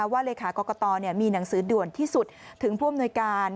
เลขากรกตมีหนังสือด่วนที่สุดถึงผู้อำนวยการ